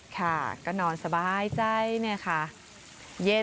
ค่ะก็นอนสบายใจเนี่ยค่ะ